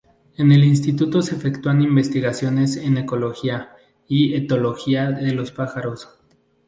En el instituto se efectúan investigaciones en ecología, y en etología de los pájaros.